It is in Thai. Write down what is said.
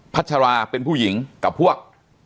ัชราเป็นผู้หญิงกับพวก